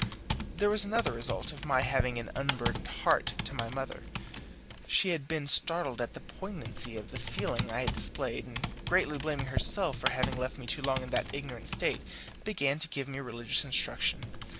There was another result of my having unburdened my heart to my mother. She had been startled at the poignancy of the feeling I had displayed, and, greatly blaming herself for having left me too long in that ignorant state, began to give me religious instruction.